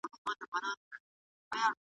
نه نیژدې او نه هم لیري بله سره غوټۍ ښکاریږي .